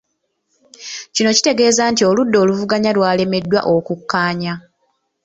Kino kitegeeza nti oludda oluvuganya lwalemeddwa okukkaanya.